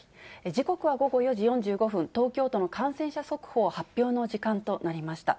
時刻は午後４時４５分、東京都の感染者速報発表の時間となりました。